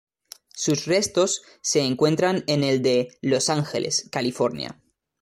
Sus restos se encuentran en el de Los Ángeles, California.